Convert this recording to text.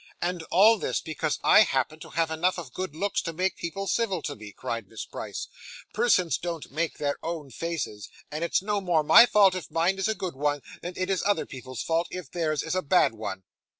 'And all this because I happen to have enough of good looks to make people civil to me,' cried Miss Price. 'Persons don't make their own faces, and it's no more my fault if mine is a good one than it is other people's fault if theirs is a bad one.